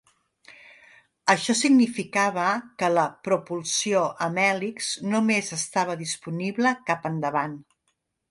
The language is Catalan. Això significava que la propulsió amb hèlix només estava disponible cap endavant.